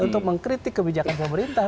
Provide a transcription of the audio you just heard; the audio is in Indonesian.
untuk mengkritik kebijakan pemerintah